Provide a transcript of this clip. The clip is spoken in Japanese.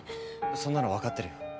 そんなの分かってるよ。